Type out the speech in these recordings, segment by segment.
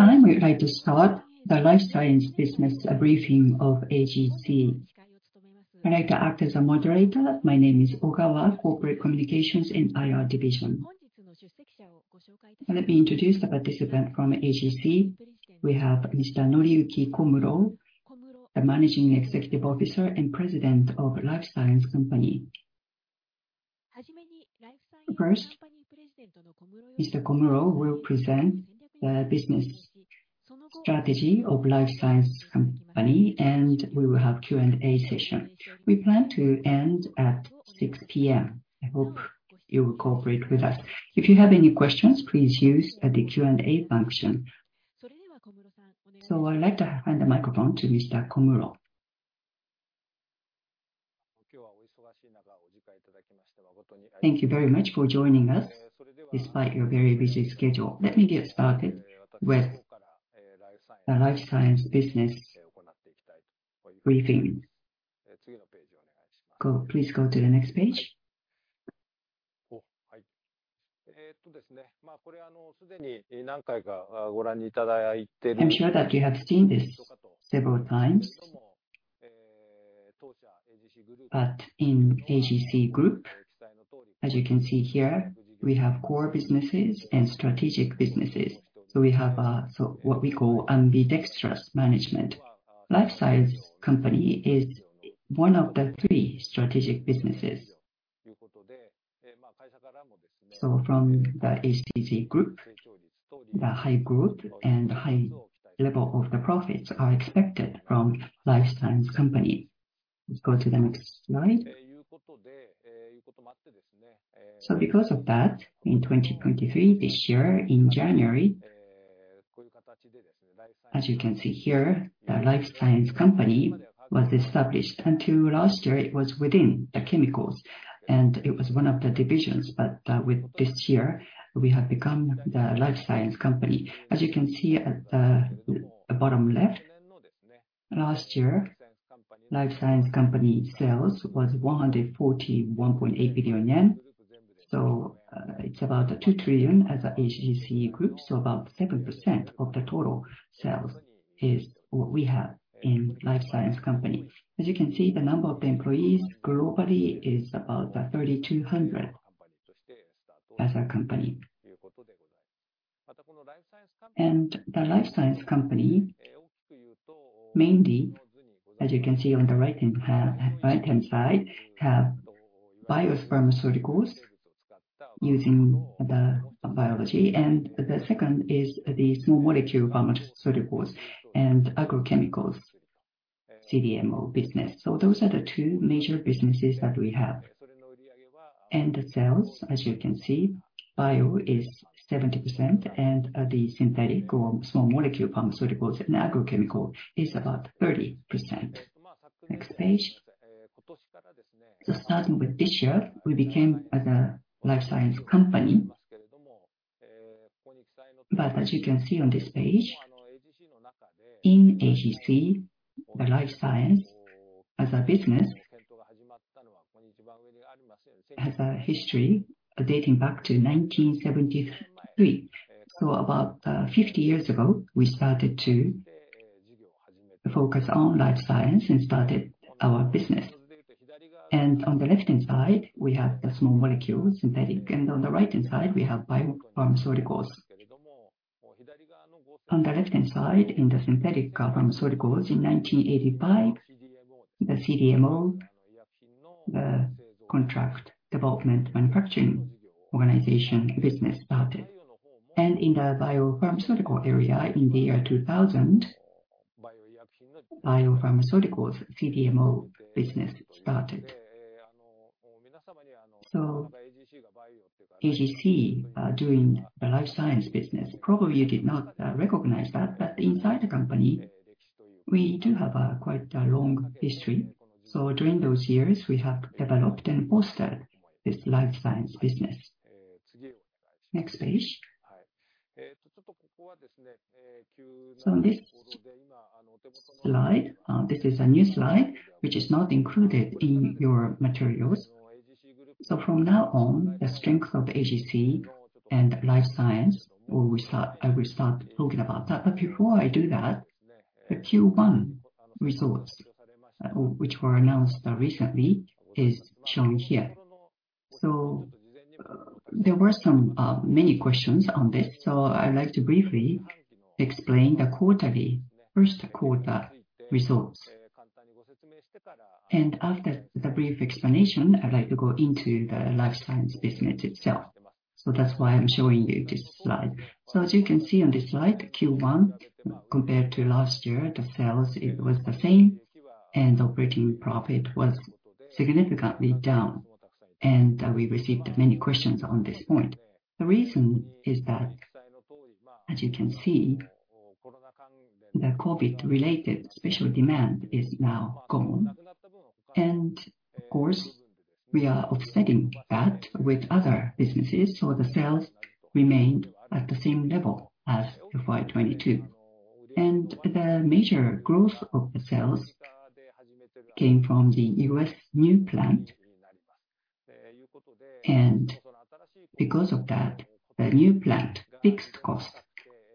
Time we would like to start the Life Science Business briefing of AGC. I'd like to act as a moderator. My name is Ogawa, Corporate Communications & Investor Relations Division. Let me introduce the participant from AGC. We have Mr. Noriyuki Komuro, the Managing Executive Officer and President of Life Science Company. First, Mr. Komuro will present the business strategy of Life Science Company, and we will have Q&A session. We plan to end at 6:00 P.M. I hope you will cooperate with us. If you have any questions, please use the Q&A function. I'd like to hand the microphone to Mr. Komuro. Thank you very much for joining us, despite your very busy schedule. Let me get started with the Life Science Business briefing. Please go to the next page. I'm sure that you have seen this several times, in AGC Group, as you can see here, we have core businesses and strategic businesses. We have what we call ambidextrous management. Life Science Company is one of the three strategic businesses. From the AGC Group, the high growth and high level of the profits are expected from Life Science Company. Let's go to the next slide. Because of that, in 2023, this year in January, as you can see here, the Life Science Company was established. Until last year, it was within the chemicals, and it was one of the divisions, with this year, we have become the Life Science Company. As you can see at the bottom left, last year, Life Science Company sales was 141.8 billion yen, it's about 2 trillion as AGC Group, about 7% of the total sales is what we have in Life Science Company. As you can see, the number of employees globally is about 3,200 as a company. The Life Science Company, mainly, as you can see on the right-hand side, have biopharmaceuticals using the biology, and the second is the small molecule pharmaceuticals and agrochemicals CDMO business. Those are the two major businesses that we have. The sales, as you can see, bio is 70%, and the synthetic or small molecule pharmaceuticals and agrochemical is about 30%. Next page. Starting with this year, we became as a Life Science Company. As you can see on this page, in AGC, the Life Science as a business has a history dating back to 1973. About 50 years ago, we started to focus on Life Science and started our business. On the left-hand side, we have the small molecules, synthetic, and on the right-hand side, we have biopharmaceuticals. On the left-hand side, in the synthetic pharmaceuticals in 1985, the CDMO, the Contract Development and Manufacturing Organization business started. In the biopharmaceutical area in the year 2000, biopharmaceuticals CDMO business started. AGC doing the Life Science business, probably you did not recognize that, but inside the company, we do have a quite a long history. During those years, we have developed and fostered this Life Science business. Next page. On this slide, this is a new slide, which is not included in your materials. From now on, the strength of AGC and Life Science, I will start talking about that. Before I do that, the Q1 results, which were announced recently, is shown here. There were some many questions on this, so I'd like to briefly explain the Q1 results. After the brief explanation, I'd like to go into the Life Science business itself. That's why I'm showing you this slide. As you can see on this slide, Q1, compared to last year, the sales, it was the same, and operating profit was significantly down, and we received many questions on this point. The reason is that, as you can see, the COVID-related special demand is now gone. Of course, we are offsetting that with other businesses, so the sales remained at the same level as FY 22. The major growth of the sales came from the U.S. new plant. Because of that, the new plant fixed cost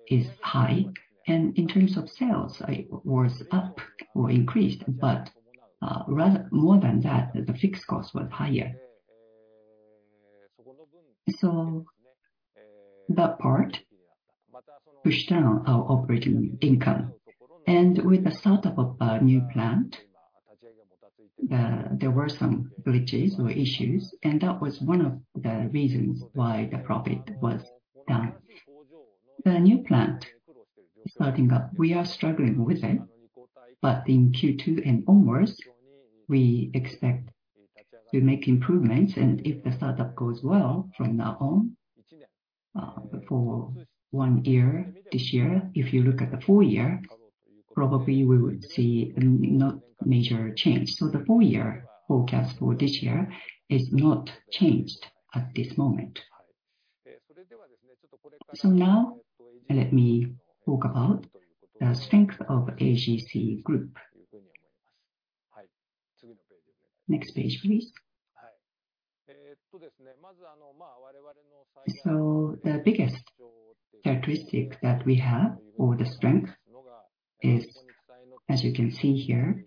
is high, and in terms of sales, it was up or increased, but rather more than that, the fixed cost was higher. That part pushed down our operating income. With the startup of our new plant, there were some glitches or issues, and that was one of the reasons why the profit was down. The new plant starting up, we are struggling with it, but in Q2 and onwards, we expect to make improvements. If the startup goes well from now on, for 1 year, this year, if you look at the full year, probably we would see no major change. The full year forecast for this year is not changed at this moment. Now let me talk about the strength of AGC Group. Next page, please. The biggest characteristic that we have, or the strength, is, as you can see here,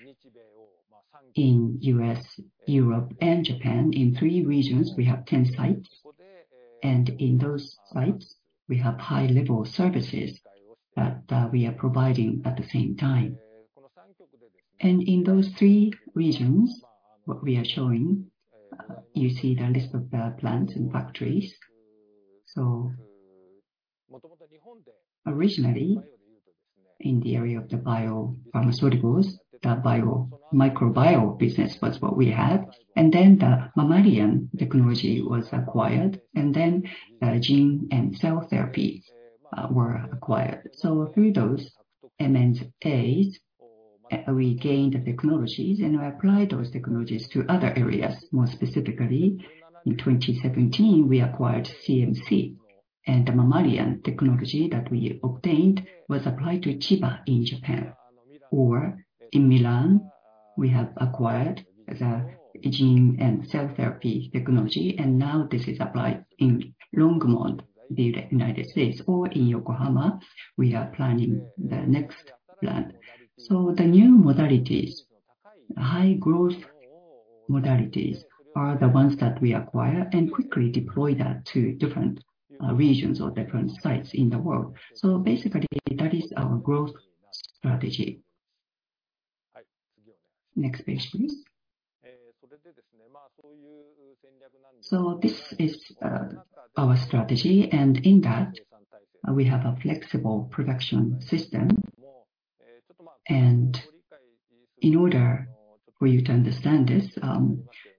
in U.S., Europe, and Japan, in three regions, we have 10 sites, and in those sites, we have high-level services that we are providing at the same time. In those three regions, what we are showing, you see the list of the plants and factories. Originally, in the area of the biopharmaceuticals, the microbial business was what we had, and then the mammalian technology was acquired, and then the gene and cell therapies were acquired. Through those M&As, we gained the technologies and applied those technologies to other areas. More specifically, in 2017, we acquired CMC, and the mammalian technology that we obtained was applied to Chiba in Japan. In Milan, we have acquired the gene and cell therapy technology, and now this is applied in Longmont, the United States, or in Yokohama, we are planning the next plant. The new modalities, high growth modalities, are the ones that we acquire and quickly deploy that to different regions or different sites in the world. Basically, that is our growth strategy. Next page, please. This is our strategy, and in that, we have a flexible production system. In order for you to understand this,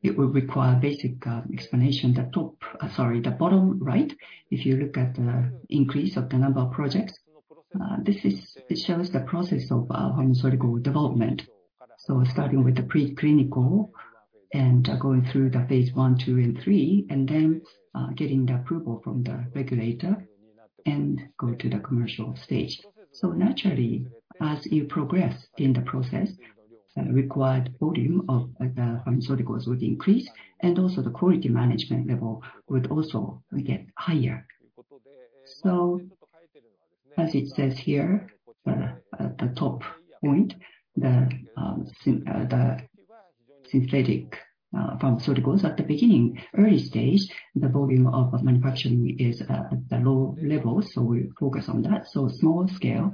it will require basic explanation. The top, sorry, the bottom right, if you look at the increase of the number of projects, it shows the process of pharmaceutical development. Starting with the preclinical and going through the phase 1, 2, and 3, and then getting the approval from the regulator and go to the commercial stage. Naturally, as you progress in the process, the required volume of pharmaceuticals would increase, and also the quality management level would also get higher. As it says here, at the top point, the synthetic pharmaceuticals, at the beginning, early stage, the volume of manufacturing is at the low level, so we focus on that. Small scale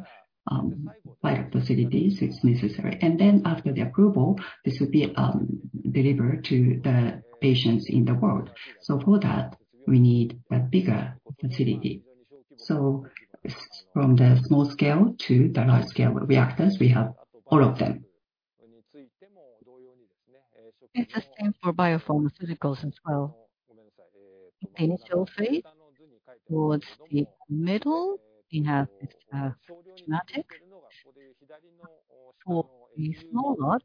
bio facilities is necessary. After the approval, this would be delivered to the patients in the world. For that, we need a bigger facility. From the small scale to the large scale reactors, we have all of them. It's the same for biopharmaceuticals as well. Initial phase, towards the middle, we have a schematic. For a small lot,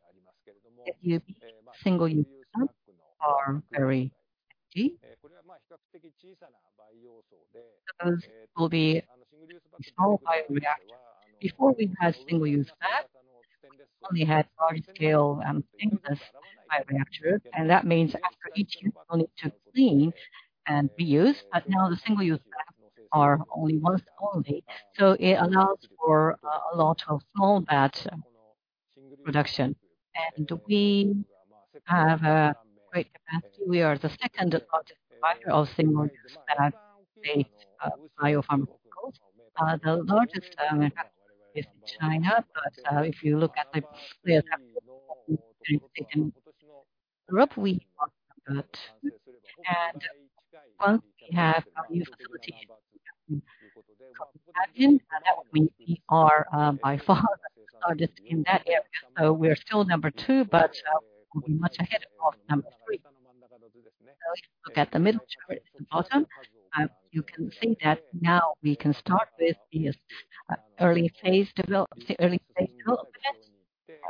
if you single-use that are very empty, those will be small bioreactor. Before we had single-use lab, we only had large scale single-use bioreactor, and that means after each use, we need to clean and reuse, but now the single-use lab are only once only, so it allows for a lot of small batch production. We have a great capacity. We are the second largest provider of single-use lab-based biopharmaceuticals. The largest is in China, if you look at the clear in Europe, we are good. We have our new facility in Japan. That would mean we are by far the largest in that area. We are still number two, we'll be much ahead of number three. If you look at the middle chart at the bottom, you can see that now we can start with this early phase development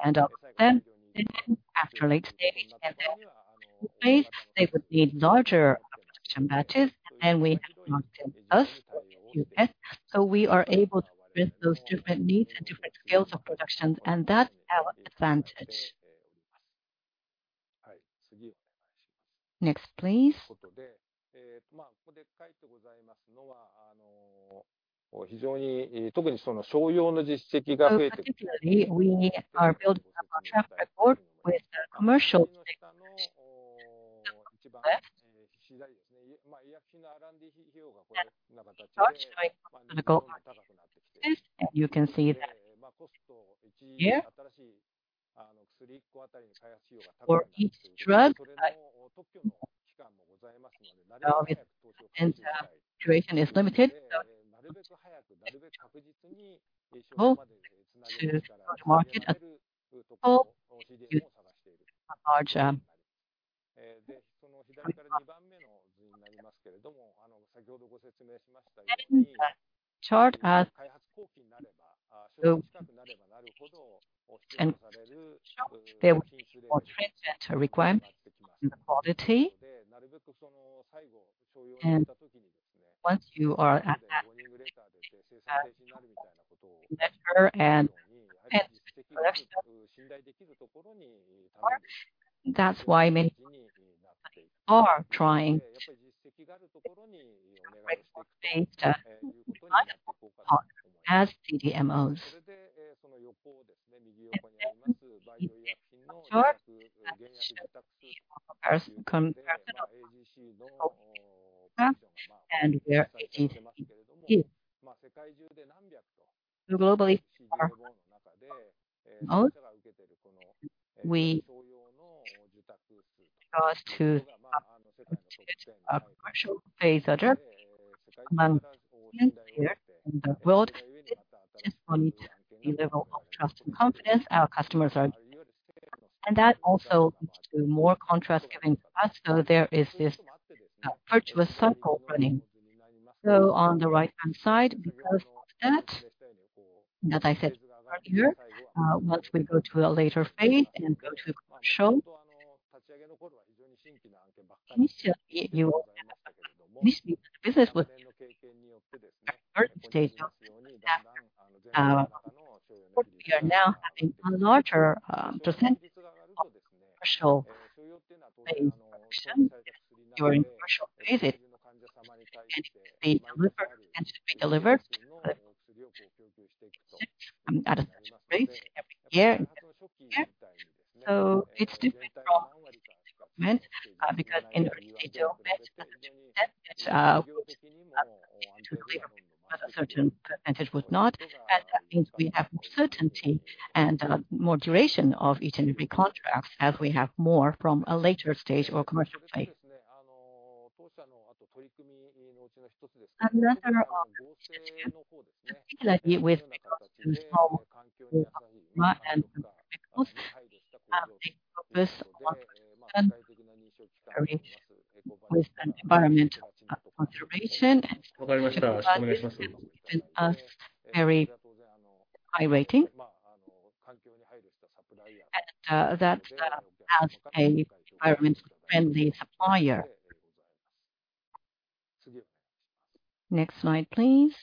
and then after late stage, and then phase, they would need larger production batches, and we have not helped us. We are able to meet those different needs and different scales of production, and that's our advantage. Next, please. Particularly, we are building up our track record with the commercial sector. On the left, you can see that here. For each drug, with and the duration is limited, to the market for a larger. Chart, there are trends that are required in the quality. Once you are at that, better and that's why many are trying to data as CDMOs. Short comparison, we are seeing globally. We tell us to a commercial phase among here in the world, it just point the level of trust and confidence our customers are. That also leads to more contracts given to us, so there is this virtuous circle running. On the right-hand side, because of that, as I said earlier, once we go to a later phase and go to commercial. Initially, this business with data that we are now having a larger percentage of commercial phase production during commercial phases, and they deliver, and to be delivered. Every year. It's different from because in early stage, to clear a certain percentage would not, and that means we have more certainty and more duration of eternity contracts as we have more from a later stage or commercial phase. Another opportunity, particularly with macros. focus on very with an environmental consideration, very high rating. that's as an environmental friendly supplier. Next slide, please.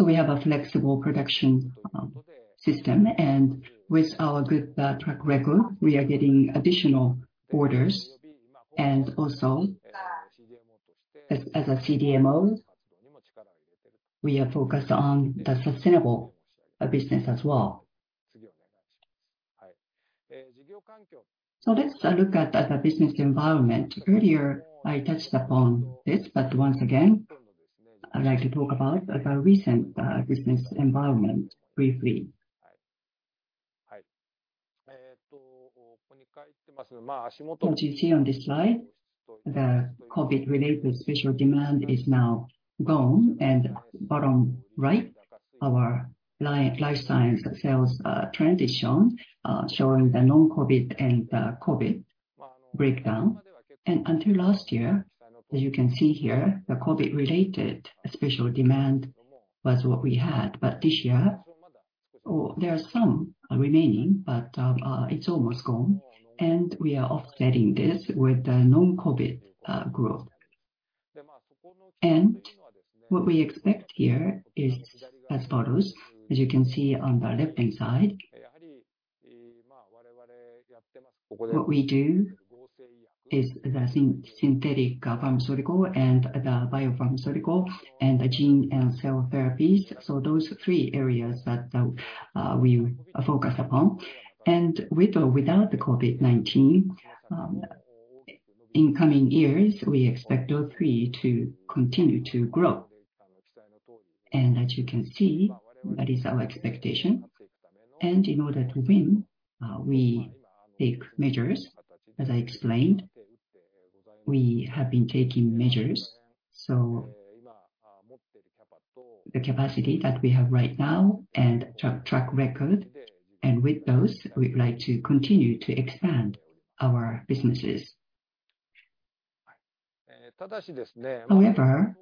we have a flexible production system, and with our good track record, we are getting additional orders. also, as a CDMO, we are focused on the sustainable business as well. let's look at the business environment. Earlier, I touched upon this, but once again, I'd like to talk about the recent business environment briefly. What you see on this slide, the COVID-related special demand is now gone, and bottom right, our Life Science sales trend is shown, showing the non-COVID and COVID breakdown. until last year, as you can see here, the COVID-related special demand was what we had. This year, there are some remaining, but it's almost gone, and we are offsetting this with the non-COVID growth. What we expect here is as follows, as you can see on the left-hand side. What we do is the synthetic pharmaceutical and the biopharmaceutical and the gene and cell therapies, so those are three areas that we focus upon. With or without the COVID-19, in coming years, we expect all three to continue to grow. As you can see, that is our expectation. In order to win, we take measures, as I explained. We have been taking measures, so the capacity that we have right now and track record, and with those, we'd like to continue to expand our businesses. However,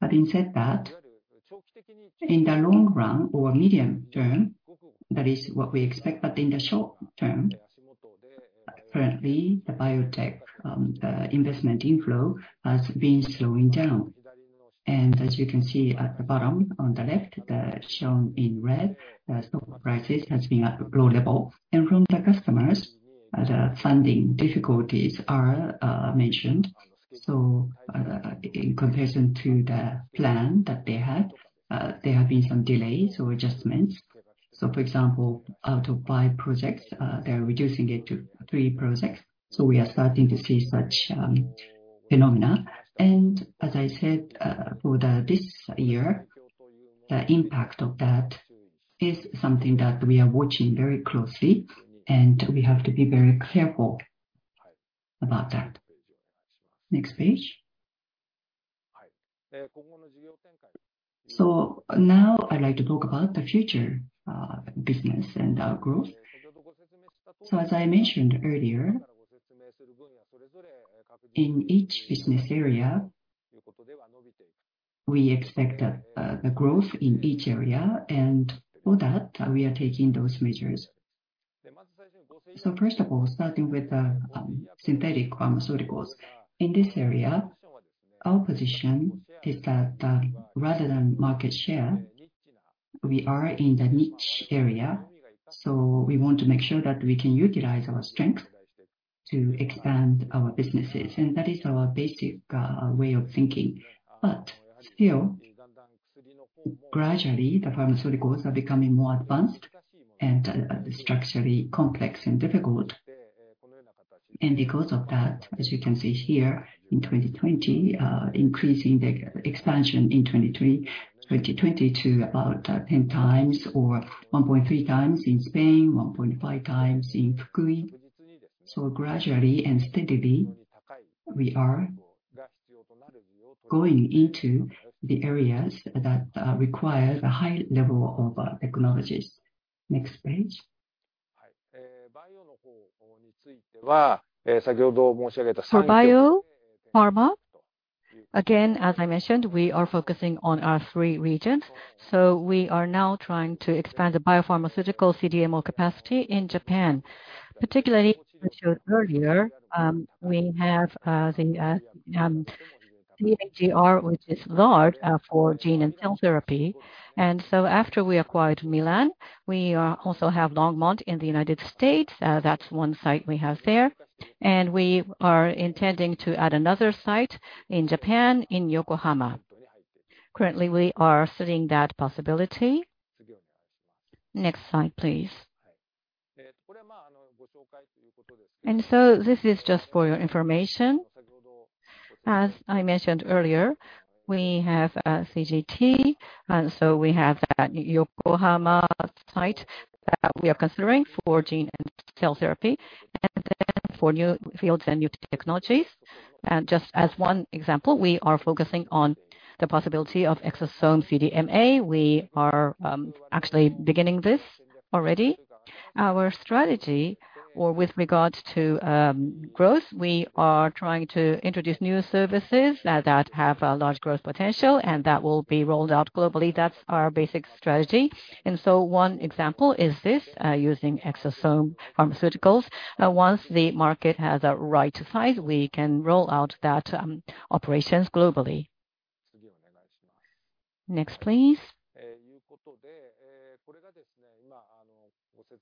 having said that, in the long run or medium term, that is what we expect, but in the short term, currently, the biotech investment inflow has been slowing down. As you can see at the bottom on the left, shown in red, the stock prices has been at low level. From the customers, the funding difficulties are mentioned. In comparison to the plan that they had, there have been some delays or adjustments. For example, out of 5 projects, they're reducing it to 3 projects, so we are starting to see such phenomena. As I said, for the, this year, the impact of that is something that we are watching very closely, and we have to be very careful about that. Next page. Now I'd like to talk about the future business and our growth. As I mentioned earlier, in each business area, we expect a growth in each area, and for that, we are taking those measures. First of all, starting with the synthetic pharmaceuticals. In this area, our position is that rather than market share, we are in the niche area, so we want to make sure that we can utilize our strength to expand our businesses, and that is our basic way of thinking. Still, gradually, the pharmaceuticals are becoming more advanced and structurally complex and difficult. Because of that, as you can see here, in 2020, increasing the expansion in 23, 2020 to about 10 times or 1.3 times in Spain, 1.5 times in Fukui. Gradually and steadily, we are going into the areas that require the high level of technologies. Next page. For biopharma, again, as I mentioned, we are focusing on our three regions. We are now trying to expand the biopharmaceutical CDMO capacity in Japan. Particularly, as I showed earlier, we have the CGT, which is large, for gene and cell therapy. After we acquired MolMed, we also have Longmont in the United States. That's one site we have there. We are intending to add another site in Japan, in Yokohama. Currently, we are studying that possibility. Next slide, please. This is just for your information. As I mentioned earlier, we have CGT, we have that Yokohama site that we are considering for gene and cell therapy, and then for new fields and new technologies. Just as one example, we are focusing on the possibility of exosome CDMO. We are actually beginning this already. Our strategy or with regards to growth, we are trying to introduce new services that have a large growth potential, and that will be rolled out globally. That's our basic strategy. One example is this, using exosome pharmaceuticals. Once the market has a right size, we can roll out that operations globally. Next, please. This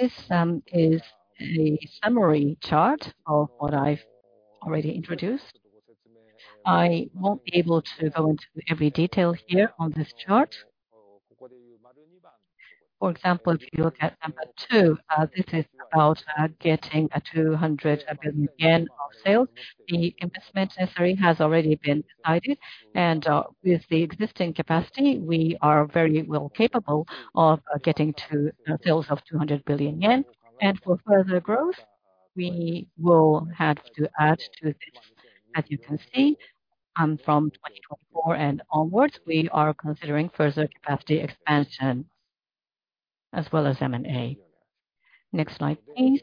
is a summary chart of what I've already introduced. I won't be able to go into every detail here on this chart. For example, if you look at number two, this is about getting 200 billion yen of sales. The investment necessary has already been decided, and with the existing capacity, we are very well capable of getting to sales of 200 billion yen. For further growth, we will have to add to this. As you can see, from 2024 and onwards, we are considering further capacity expansion as well as M&A. Next slide, please.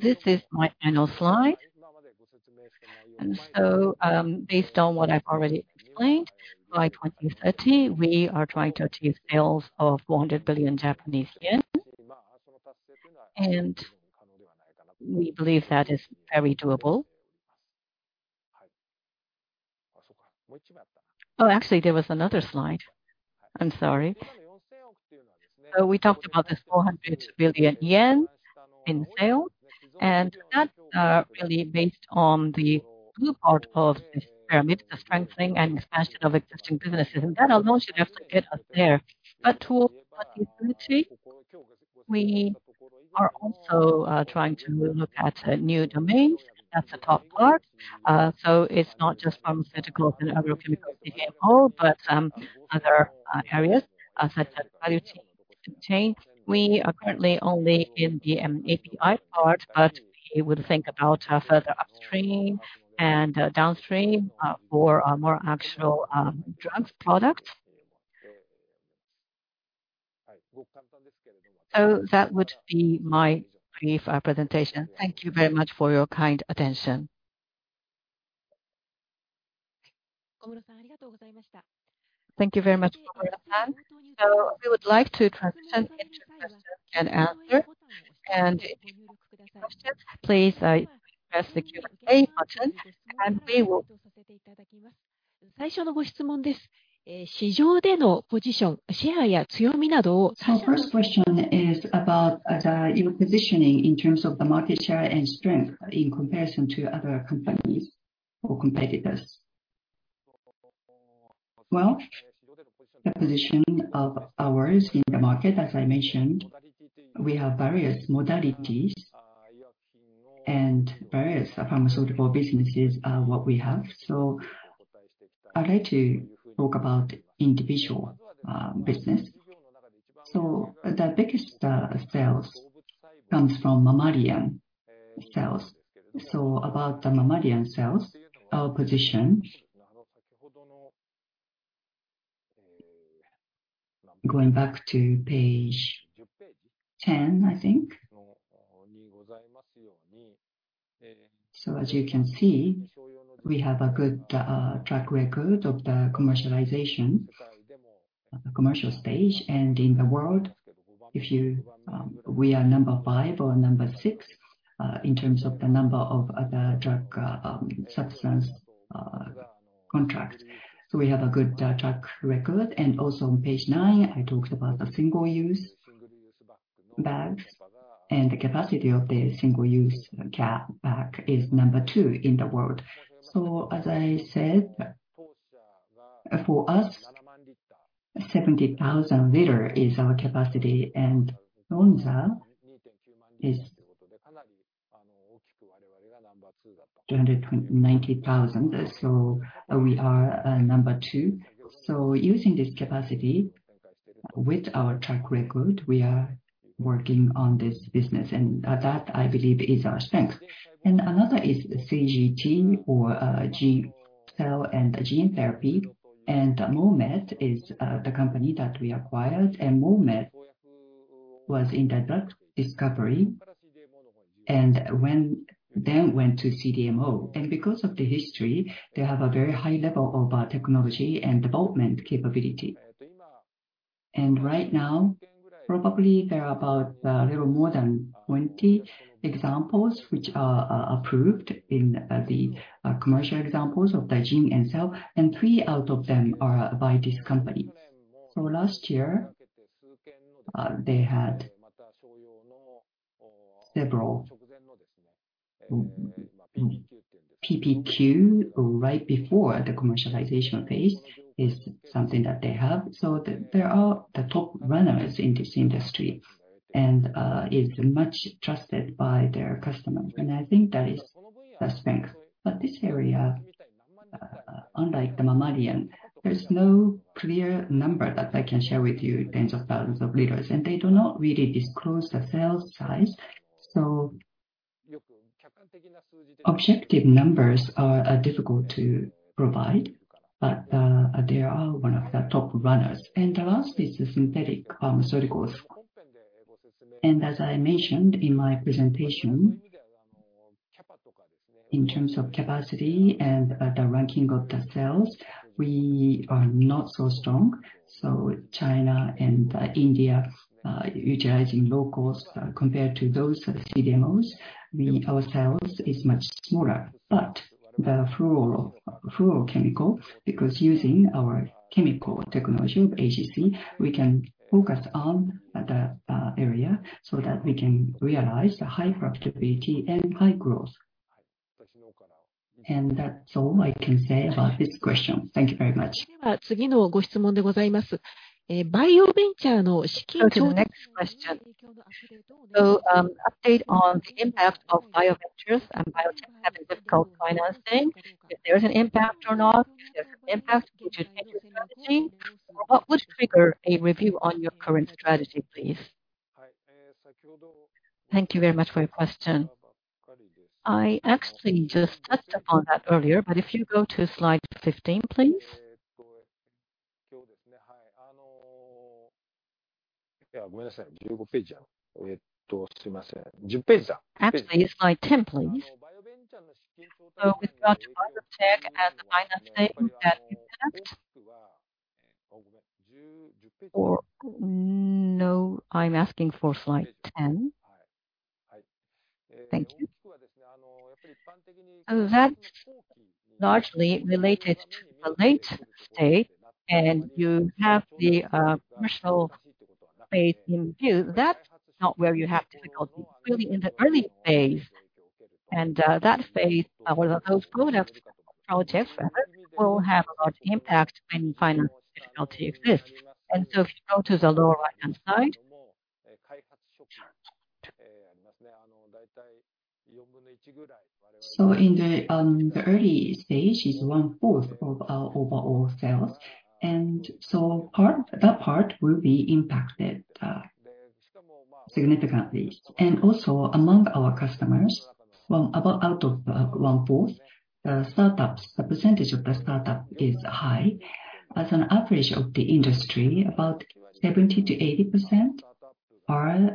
This is my final slide. Based on what I've already explained, by 2030, we are trying to achieve sales of 400 billion Japanese yen, and we believe that is very doable. Actually, there was another slide. I'm sorry. We talked about this 400 billion yen in sales, and that really based on the blue part of this pyramid, the strengthening and expansion of existing businesses, and that alone should definitely get us there. We are also trying to look at new domains. That's the top part. It's not just pharmaceuticals and agrochemicals CDMO, but some other areas, as I said. Okay, we are currently only in the API part, but we would think about further upstream and downstream for a more actual drugs product. That would be my brief presentation. Thank you very much for your kind attention. Thank you very much, Komuro-san. We would like to transition into question and answer. If you have questions, please, press the Q&A button. First question is about your positioning in terms of the market share and strength in comparison to other companies or competitors. The position of ours in the market, as I mentioned, we have various modalities, and various pharmaceutical businesses are what we have. I'd like to talk about individual business. The biggest sales comes from mammalian cells. About the mammalian cells, our position, going back to page 10, I think. As you can see, we have a good track record of the commercialization, commercial stage. In the world, if you, we are number 5 or number 6 in terms of the number of drug substance contracts. We have a good track record. Also on page 9, I talked about the single-use bags, and the capacity of the single-use bag is number 2 in the world. As I said, for us, 70,000 liter is our capacity, and Lonza is 290,000, so we are number two. Using this capacity with our track record, we are working on this business, and that, I believe, is our strength. Another is the CGT or gene, cell and gene therapy. MolMed is the company that we acquired, and MolMed was in the drug discovery, and when, then went to CDMO. Because of the history, they have a very high level of technology and development capability. Right now, probably there are about little more than 20 examples which are approved in the commercial examples of the gene and cell, and 3 out of them are by this company. Last year, they had several PPQ right before the commercialization phase is something that they have. They are the top runners in this industry and is much trusted by their customers, and I think that is the strength. This area, unlike the mammalian, there's no clear number that I can share with you, tens of thousands of liters, and they do not really disclose the cell size. Objective numbers are difficult to provide, but they are one of the top runners. The last is the synthetic pharmaceuticals. As I mentioned in my presentation, in terms of capacity and the ranking of the cells, we are not so strong. China and India, utilizing low cost, compared to those CDMOs, we, ourselves, is much smaller. The fluorochemical, because using our chemical technology of AGC, we can focus on the area so that we can realize the high profitability and high growth. That's all I can say about this question. Thank you very much. The next question. Update on the impact of bioventures and biotech having difficult financing, if there is an impact or not, if there's an impact, did you change your strategy? What would trigger a review on your current strategy, please? Thank you very much for your question. I actually just touched upon that earlier, but if you go to slide 15, please. Actually, slide 10, please. With regard to biotech and the financing that. No, I'm asking for slide 10. Thank you. That's largely related to the late stage, and you have the commercial phase in view. That's not where you have difficulty. Really, in the early phase, and that phase where those products, projects, and that will have a lot of impact when finance difficulty exists. If you go to the lower right-hand side. In the early stage is one fourth of our overall sales, that part will be impacted significantly. Among our customers, about out of one fourth, the startups, the percentage of the startup is high. As an average of the industry, about 70 to 80% are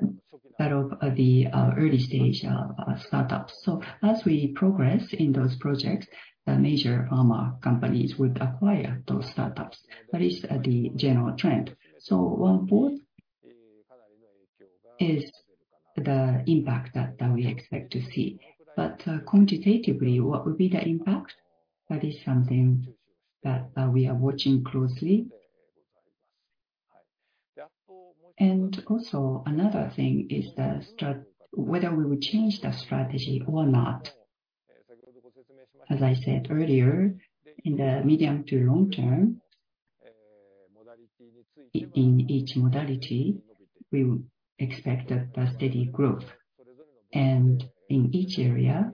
out of the early stage startups. As we progress in those projects, the major pharma companies would acquire those startups. That is the general trend. One fourth is the impact that we expect to see. Quantitatively, what would be the impact? That is something that we are watching closely. Another thing is whether we will change the strategy or not. As I said earlier, in the medium to long term, in each modality, we expect a steady growth. In each area,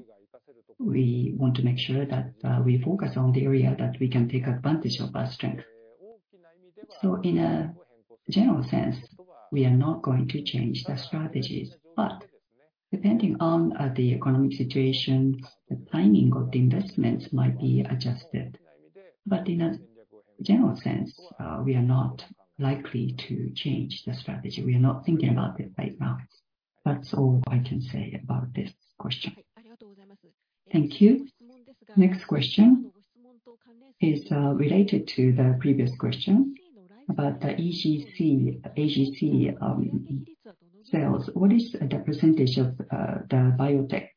we want to make sure that we focus on the area that we can take advantage of our strength. In a general sense, we are not going to change the strategies, but depending on the economic situation, the timing of the investments might be adjusted. In a general sense, we are not likely to change the strategy. We are not thinking about it right now. That's all I can say about this question. Thank you. Next question is related to the previous question about the AGC sales. What is the percentage of the biotech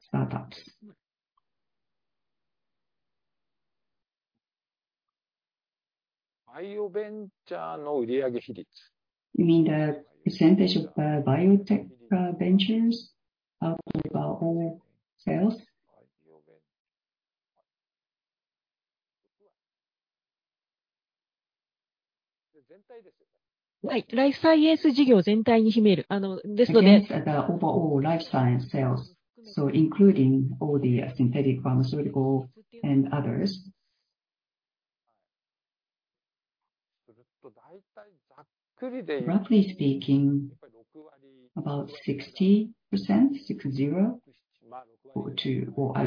startups? You mean the percentage of biotech ventures out of our overall sales? Right, life science. The overall Life Science sales, so including all the synthetic, pharmaceutical, and others. Roughly speaking, about 60%, 60, I would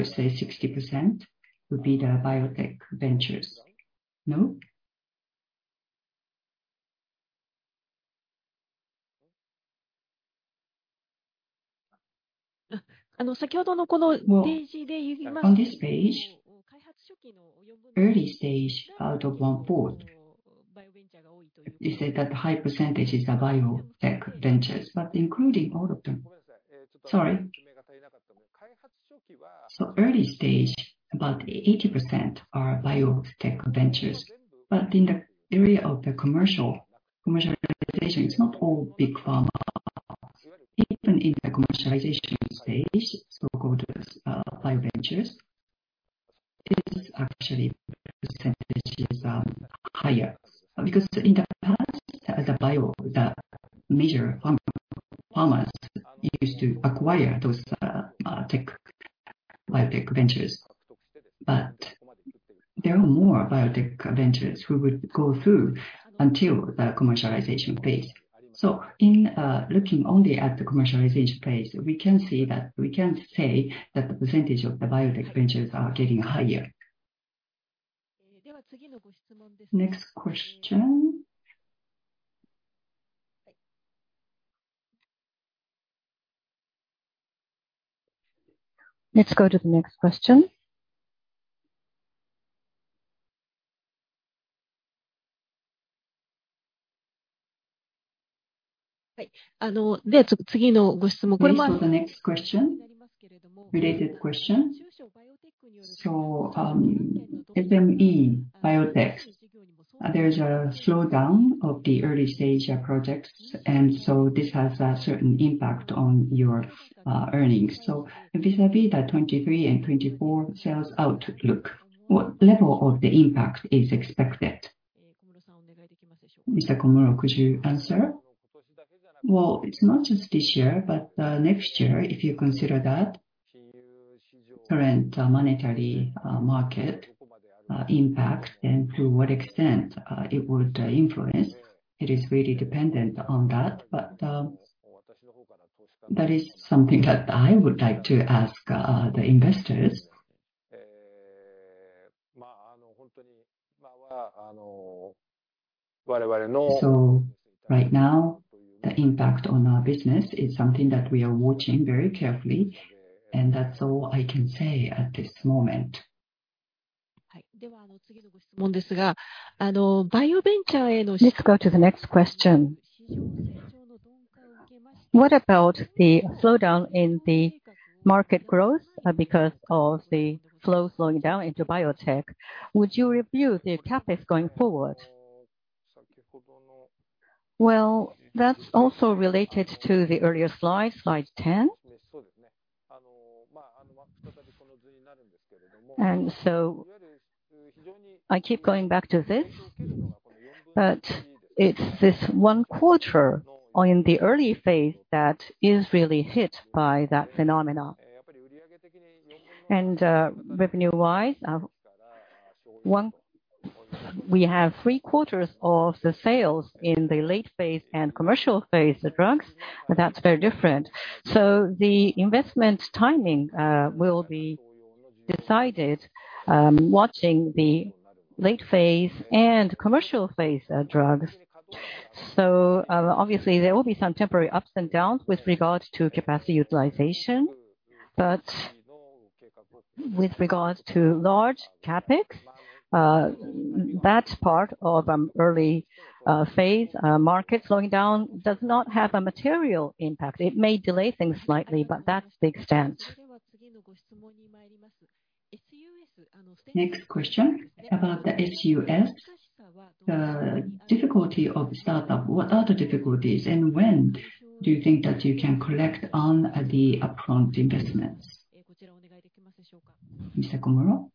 say 60% would be the biotech ventures. No? Well, on this page, early stage, out of 1/4, you said that the high % is the biotech ventures, including all of them. Sorry. Early stage, about 80% are biotech ventures. In the area of the commercialization, it's not all big pharma. Even in the commercialization stage, so-called, biotech ventures, it is actually, percentage is higher. In the past, the major pharma used to acquire those biotech ventures. There are more biotech ventures who would go through until the commercialization phase. In looking only at the commercialization phase, we can say that the percentage of the biotech ventures are getting higher. Next question. Let's go to the next question. This is the next question, related question. SME biotech, there's a slowdown of the early-stage projects, and so this has a certain impact on your earnings. Vis-a-vis the 2023 and 2024 sales outlook, what level of the impact is expected? Mr. Komuro, could you answer? Well, it's not just this year, but next year, if you consider that current monetary market impact, and to what extent it would influence, it is really dependent on that. That is something that I would like to ask the investors. Right now, the impact on our business is something that we are watching very carefully, and that's all I can say at this moment. Let's go to the next question. What about the slowdown in the market growth, because of the flow slowing down into biotech? Would you review the CapEx going forward? Well, that's also related to the earlier slide 10. I keep going back to this, but it's this one quarter or in the early phase that is really hit by that phenomenon. Revenue-wise, we have three quarters of the sales in the late phase and commercial phase of drugs, but that's very different. The investment timing will be decided watching the late phase and commercial phase drugs. Obviously, there will be some temporary ups and downs with regards to capacity utilization, but with regards to large CapEx, that's part of early phase. Market slowing down does not have a material impact. It may delay things slightly, but that's the extent. Next question, about the SUS, the difficulty of startup. What are the difficulties, and when do you think that you can collect on the upfront investments? Mr. Komuro?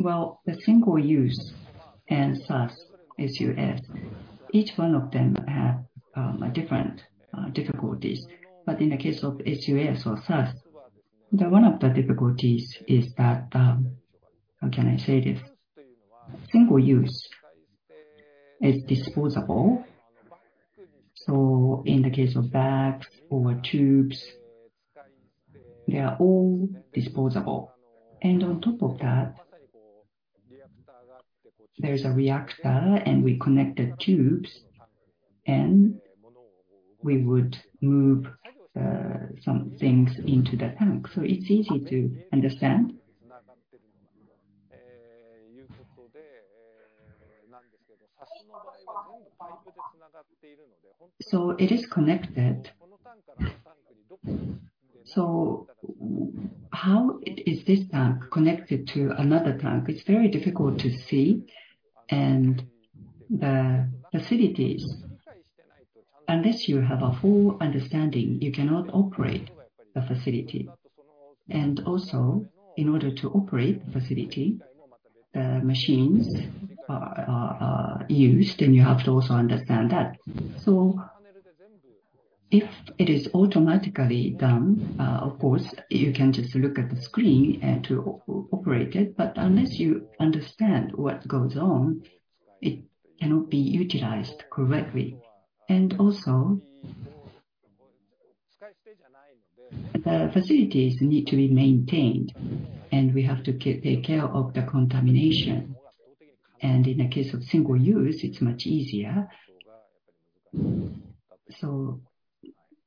The single use and SS, SUS, each one of them have different difficulties. In the case of SUS or SS, one of the difficulties is that, how can I say this? Single use is disposable. In the case of bags or tubes, they are all disposable. On top of that, there is a reactor, and we connect the tubes, and we would move some things into the tank. It's easy to understand. It is connected. How is this tank connected to another tank? It's very difficult to see. The facilities, unless you have a full understanding, you cannot operate the facility. In order to operate the facility, the machines are used. You have to also understand that. If it is automatically done, of course, you can just look at the screen and to operate it, but unless you understand what goes on, it cannot be utilized correctly. The facilities need to be maintained, and we have to take care of the contamination. In the case of single use, it's much easier.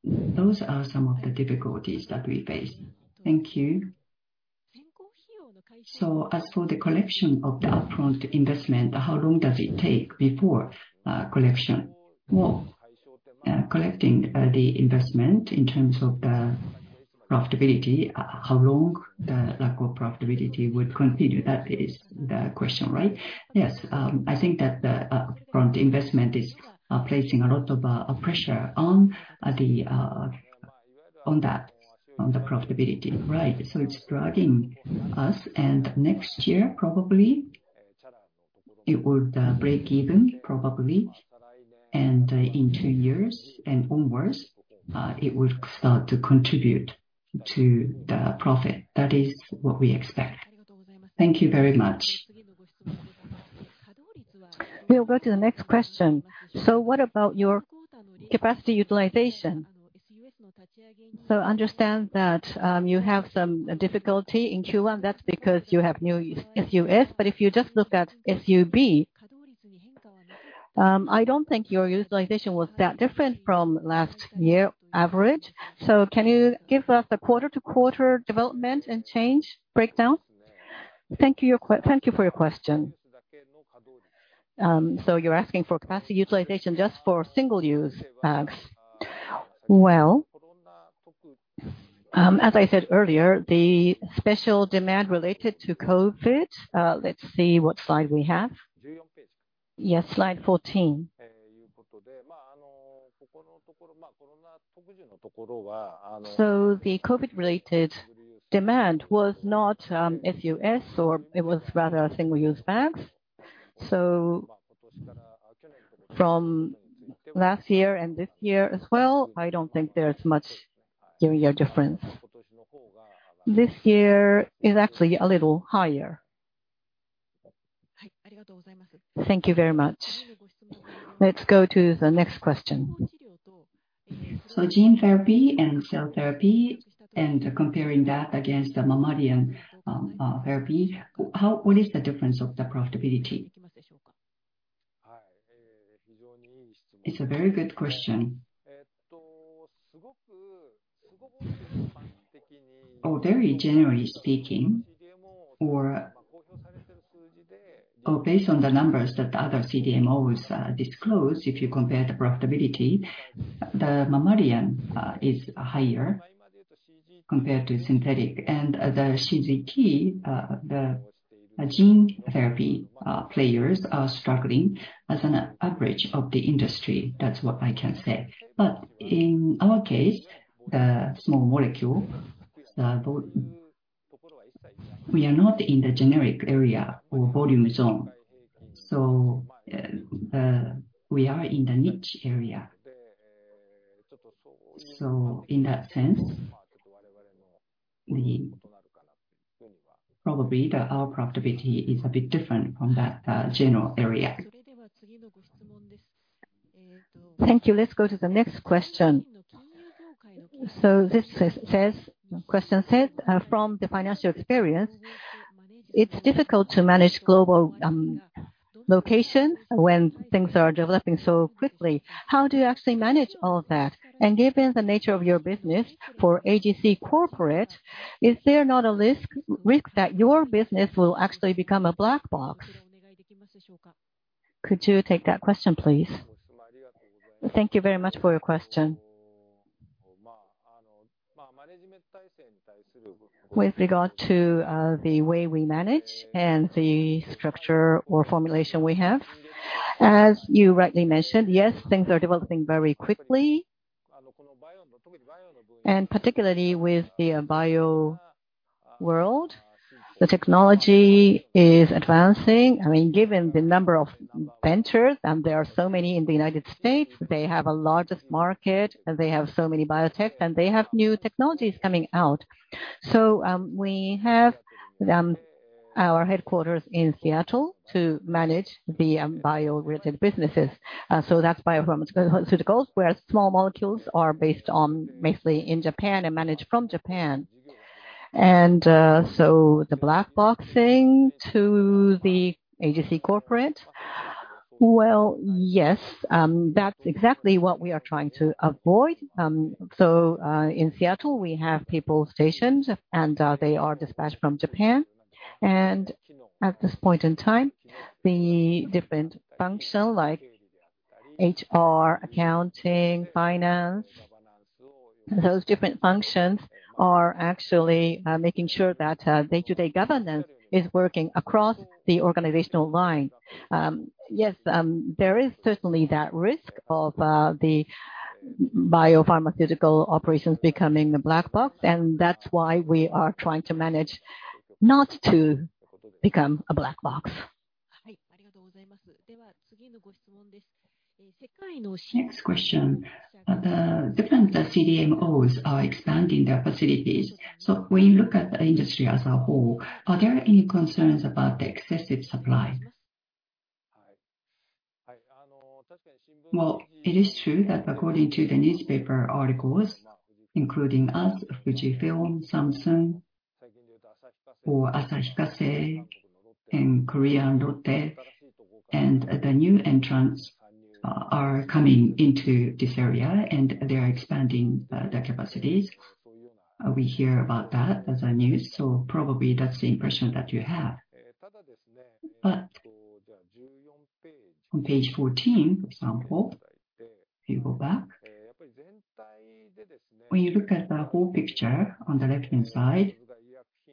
Those are some of the difficulties that we face. Thank you. As for the collection of the upfront investment, how long does it take before collection? Well, collecting the investment in terms of the profitability, how long the lack of profitability would continue, that is the question, right? Yes. I think that the upfront investment is placing a lot of pressure on the profitability. Right. It's dragging us, and next year, probably, it would break even, probably, and in 2 years and onwards, it would start to contribute to the profit. That is what we expect. Thank you very much. We'll go to the next question. What about your capacity utilization? Understand that you have some difficulty in Q1. That's because you have new SUS, but if you just look at SUB, I don't think your utilization was that different from last year average. Can you give us a quarter-to-quarter development and change breakdown? Thank you for your question. You're asking for capacity utilization just for single-use bags. Well, as I said earlier, the special demand related to COVID, let's see what slide we have. Yes, slide 14. The COVID-related demand was not SUS or it was rather single-use bags. From last year and this year as well, I don't think there's much year-on-year difference. This year is actually a little higher. Thank you very much. Let's go to the next question. Gene therapy and cell therapy, and comparing that against the mammalian therapy, how, what is the difference of the profitability? It's a very good question. Very generally speaking, or based on the numbers that the other CDMOs disclose, if you compare the profitability, the mammalian is higher compared to synthetic. The CGT, the gene therapy players are struggling as an average of the industry. That's what I can say. In our case, the small molecule. We are not in the generic area or volume zone, so we are in the niche area. In that sense, we probably our profitability is a bit different from that general area. Thank you. Let's go to the next question. This says, question says, from the financial experience, it's difficult to manage global locations when things are developing so quickly. How do you actually manage all that? Given the nature of your business for AGC corporate, is there not a risk that your business will actually become a black box? Could you take that question, please? Thank you very much for your question. With regard to the way we manage and the structure or formulation we have, as you rightly mentioned, yes, things are developing very quickly. Particularly with the bio world, the technology is advancing. I mean, given the number of ventures, and there are so many in the United States, they have a largest market, and they have so many biotech, and they have new technologies coming out. We have our headquarters in Seattle to manage the bio-related businesses. That's biopharmaceuticals, where small molecules are based on mostly in Japan and managed from Japan. The black boxing to the AGC Corporate, well, yes, that's exactly what we are trying to avoid. In Seattle, we have people stationed, they are dispatched from Japan. At this point in time, the different function like HR, accounting, finance, those different functions are actually making sure that day-to-day governance is working across the organizational line. Yes, there is certainly that risk of the biopharmaceutical operations becoming a black box, that's why we are trying to manage not to become a black box. Next question. Different CDMOs are expanding their facilities. When you look at the industry as a whole, are there any concerns about the excessive supply? It is true that according to the newspaper articles, including us, Fujifilm, Samsung or Asahi Kasei, and Korean Lotte, and the new entrants are coming into this area, and they are expanding their capacities. We hear about that as a news, probably that's the impression that you have. On page 14, for example, if you go back, when you look at the whole picture on the left-hand side,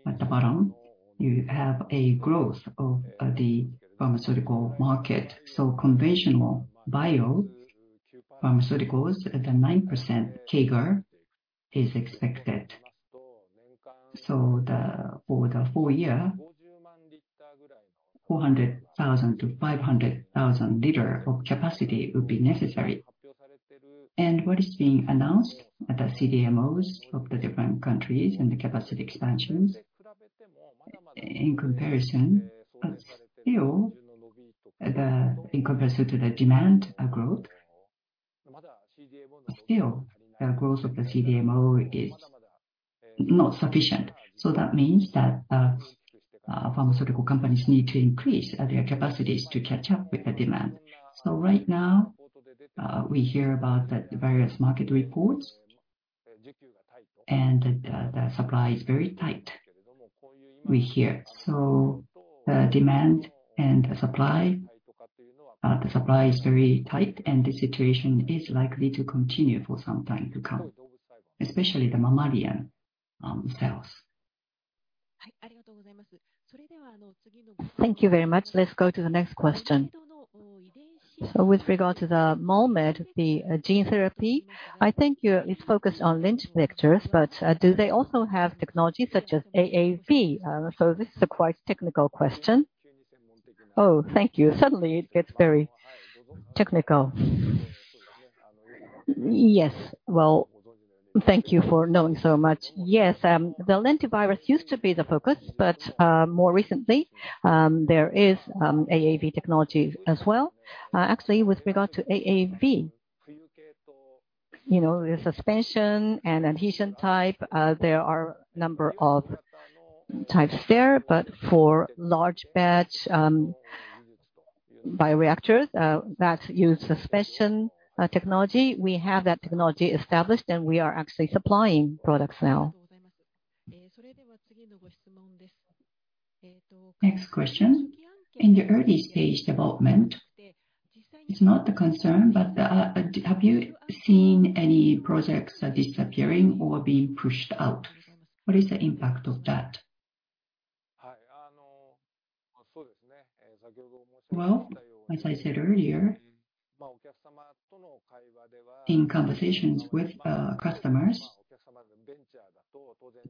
at the bottom, you have a growth of the pharmaceutical market. Conventional biopharmaceuticals, at the 9% CAGR, is expected. For the full year, 400,000 to 500,000 liter of capacity would be necessary. What is being announced at the CDMOs of the different countries and the capacity expansions, in comparison, still, the, in comparison to the demand growth, still, the growth of the CDMO is not sufficient. That means that pharmaceutical companies need to increase their capacities to catch up with the demand. Right now, we hear about the various market reports, and, the supply is very tight, we hear. The demand and the supply, the supply is very tight, and the situation is likely to continue for some time to come, especially the mammalian cells. Thank you very much. Let's go to the next question. With regard to the MolMed, the gene therapy, I think it's focused on lentivectors, but do they also have technology such as AAV? This is a quite technical question. Oh, thank you. Suddenly, it gets very technical. Yes, well, thank you for knowing so much. Yes, the lentivirus used to be the focus, more recently, there is AAV technology as well. Actually, with regard to AAV, you know, the suspension and adhesion type, there are a number of types there, for large batch bioreactors that use suspension technology, we have that technology established, and we are actually supplying products now. Next question. In the early stage development, it's not the concern, have you seen any projects disappearing or being pushed out? What is the impact of that? Well, as I said earlier-... In conversations with customers,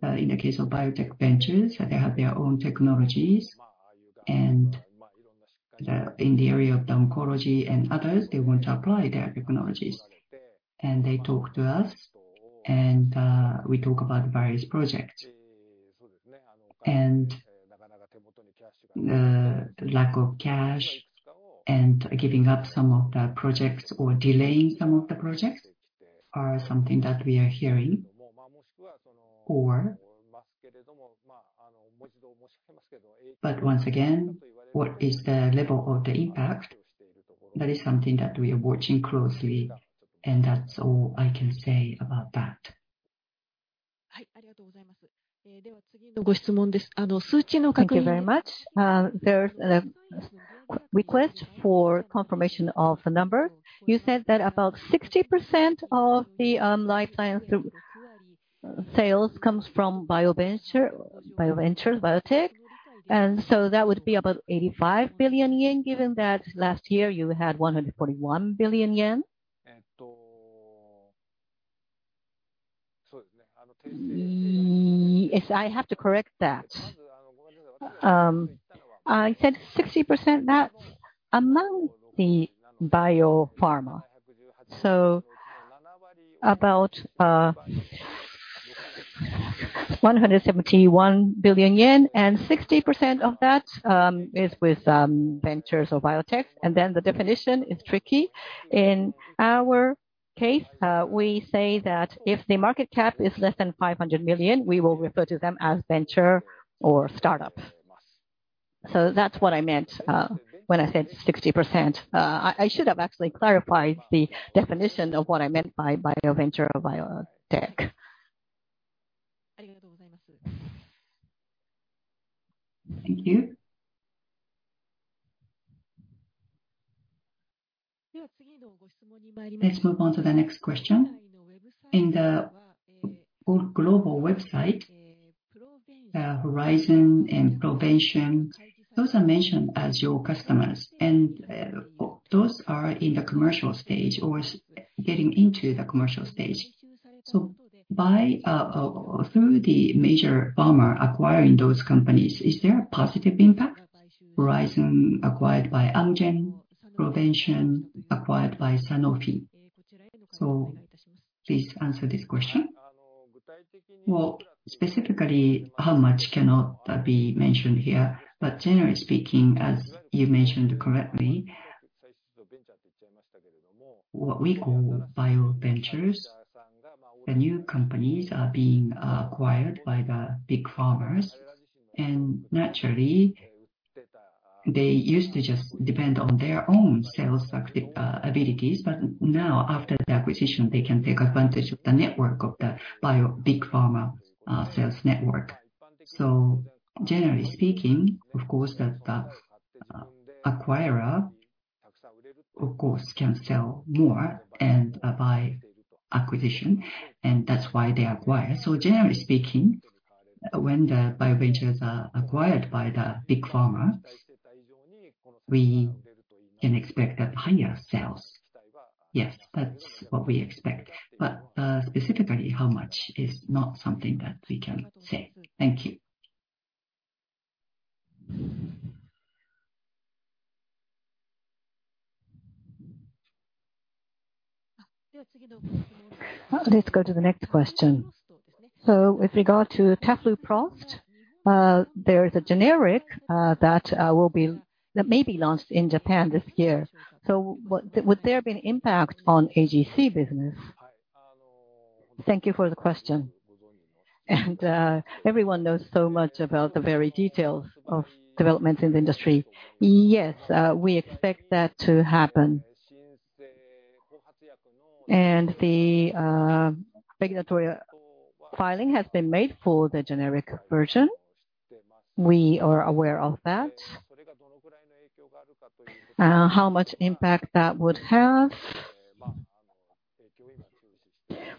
in the case of biotech ventures, they have their own technologies, in the area of oncology and others, they want to apply their technologies. They talk to us, we talk about various projects. Lack of cash and giving up some of the projects or delaying some of the projects are something that we are hearing. Once again, what is the level of the impact? That is something that we are watching closely, and that's all I can say about that. Thank you very much. There's a request for confirmation of the number. You said that about 60% of the lifelines through sales comes from bioventure, bio ventures, biotech. That would be about 85 billion yen, given that last year you had 141 billion yen? Yes, I have to correct that. I said 60%, that's among the biopharma. About 171 billion yen, and 60% of that is with ventures or biotech. The definition is tricky. In our case, we say that if the market cap is less than 500 million, we will refer to them as venture or startup. That's what I meant when I said 60%. I should have actually clarified the definition of what I meant by bioventure or biotech. Thank you. Let's move on to the next question. In the global website, Horizon and Provention, those are mentioned as your customers, and those are in the commercial stage or getting into the commercial stage. Through the major pharma acquiring those companies, is there a positive impact? Horizon acquired by Amgen, Provention acquired by Sanofi. Please answer this question. Well, specifically, how much cannot be mentioned here. Generally speaking, as you mentioned correctly, what we call bio ventures, the new companies are being acquired by the big pharmas. Naturally, they used to just depend on their own sales active abilities, but now, after the acquisition, they can take advantage of the network of the bio big pharma sales network. Generally speaking, of course, the acquirer, of course, can sell more and by acquisition, and that's why they acquire. Generally speaking, when the bio ventures are acquired by the big pharma, we can expect a higher sales. Yes, that's what we expect. Specifically, how much is not something that we can say. Thank you. Let's go to the next question. With regard to tafluprost, there is a generic that may be launched in Japan this year. Would there be an impact on AGC business? Thank you for the question. Everyone knows so much about the very details of developments in the industry. Yes, we expect that to happen. The regulatory filing has been made for the generic version. We are aware of that. How much impact that would have,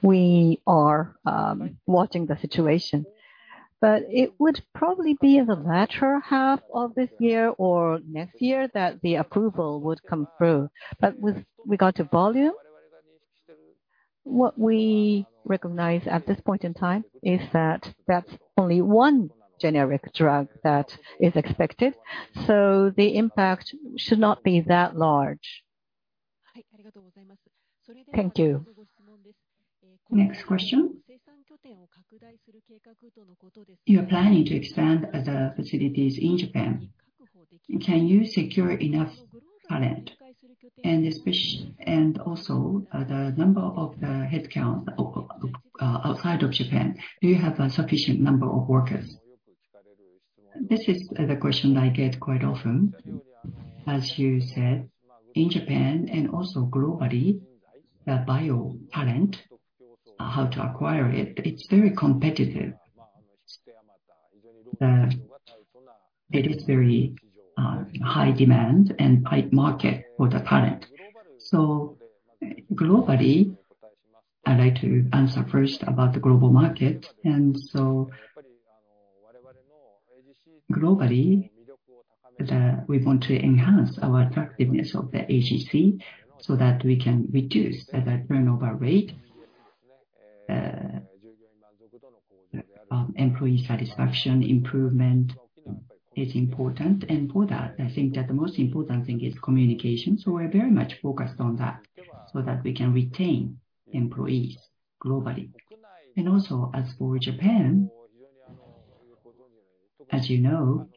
we are watching the situation. It would probably be in the latter half of this year or next year that the approval would come through. With regard to volume, what we recognize at this point in time is that that's only 1 generic drug that is expected, so the impact should not be that large. Thank you. Next question. You are planning to expand the facilities in Japan. Can you secure enough talent? Also, the number of the headcount outside of Japan, do you have a sufficient number of workers? This is the question I get quite often. As you said, in Japan and also globally, the bio talent, how to acquire it's very competitive. It is very high demand and high market for the talent. Globally, I'd like to answer first about the global market. Globally, we want to enhance our attractiveness of AGC so that we can reduce the turnover rate. Employee satisfaction improvement is important, and for that, I think that the most important thing is communication, so we're very much focused on that so that we can retain employees globally. As for Japan, as you know,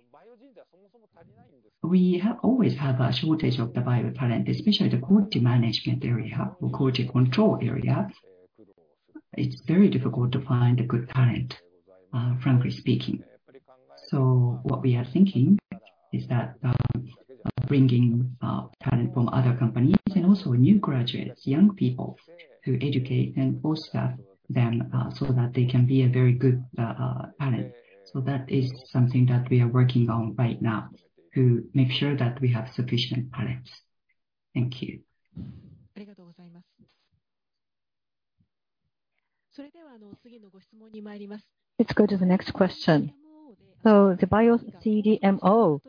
we always have a shortage of the bio talent, especially the quality management area or quality control area. It's very difficult to find a good talent, frankly speaking. What we are thinking is that bringing talent from other companies and also new graduates, young people, to educate and foster them so that they can be a very good talent. That is something that we are working on right now to make sure that we have sufficient talents. Thank you. Let's go to the next question. The bio CDMO,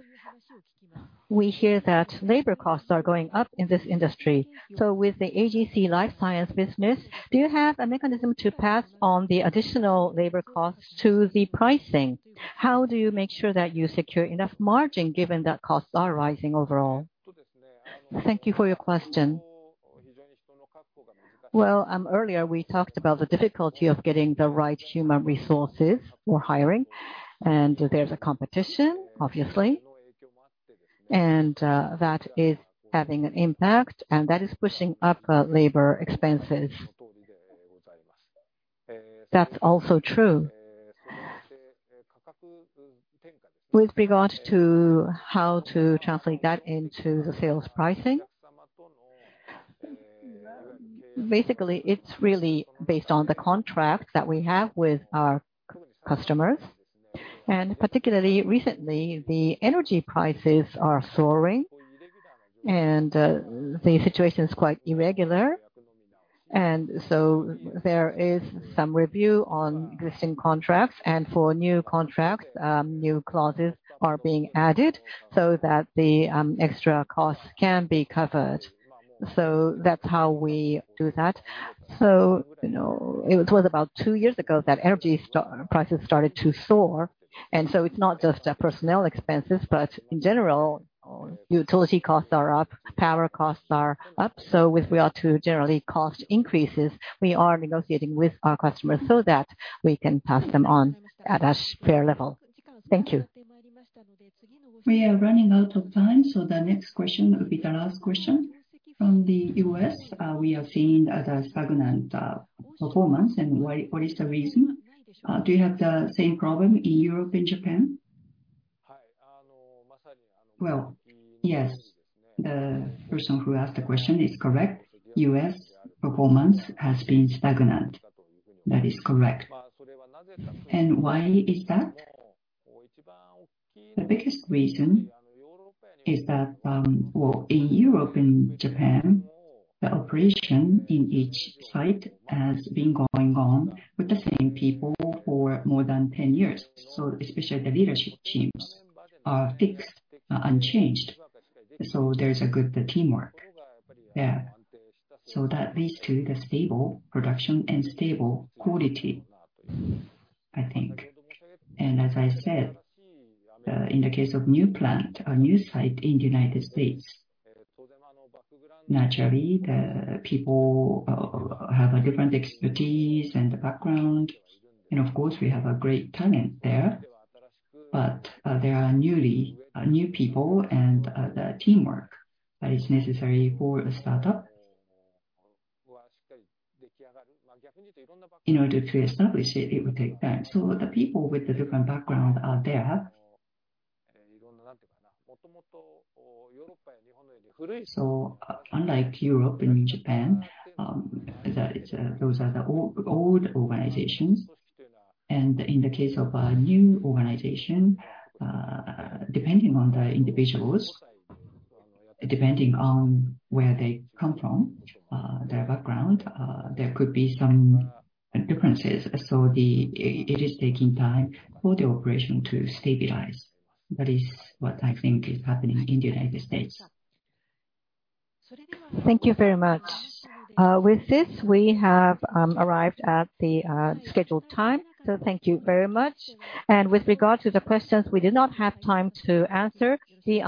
we hear that labor costs are going up in this industry. With the AGC Life Science business, do you have a mechanism to pass on the additional labor costs to the pricing? How do you make sure that you secure enough margin, given that costs are rising overall? Thank you for your question. Well, earlier, we talked about the difficulty of getting the right human resources or hiring, and there's a competition, obviously. That is having an impact, and that is pushing up labor expenses. That's also true. With regards to how to translate that into the sales pricing, basically, it's really based on the contract that we have with our customers. Particularly recently, the energy prices are soaring, and the situation is quite irregular. There is some review on existing contracts, and for new contracts, new clauses are being added so that the extra costs can be covered. That's how we do that. You know, it was about 2 years ago that energy prices started to soar, and so it's not just personnel expenses, but in general, utility costs are up, power costs are up. With regard to generally cost increases, we are negotiating with our customers so that we can pass them on at a fair level. Thank you. We are running out of time, so the next question will be the last question. From the US, we are seeing as a stagnant performance, and why, what is the reason? Do you have the same problem in Europe and Japan? Well, yes, the person who asked the question is correct. U.S. performance has been stagnant. That is correct. Why is that? The biggest reason is that, well, in Europe and Japan, the operation in each site has been going on with the same people for more than 10 years, so especially the leadership teams are fixed, unchanged, so there's a good teamwork there. That leads to the stable production and stable quality, I think. As I said, in the case of new plant, a new site in the United States, naturally, the people have a different expertise and background, and of course, we have a great talent there. There are newly, new people and the teamwork that is necessary for a startup. In order to establish it will take time. The people with the different background are there. Unlike Europe and in Japan, those are the old organizations, and in the case of a new organization, depending on the individuals, depending on where they come from, their background, there could be some differences. It is taking time for the operation to stabilize. That is what I think is happening in the United States. Thank you very much. With this, we have arrived at the scheduled time, thank you very much. With regard to the questions, we did not have time to answer, the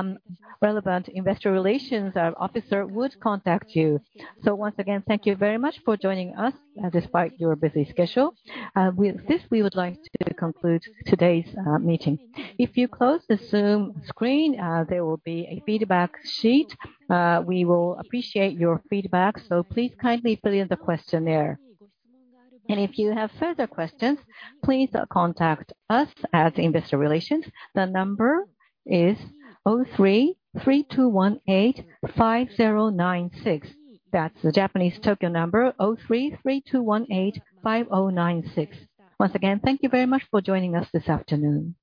relevant investor relations officer would contact you. Once again, thank you very much for joining us despite your busy schedule. With this, we would like to conclude today's meeting. If you close the Zoom screen, there will be a feedback sheet. We will appreciate your feedback, please kindly fill in the questionnaire. If you have further questions, please contact us at Investor Relations. The number is 0332185096. That's the Japanese Tokyo number, 0332185096. Once again, thank you very much for joining us this afternoon.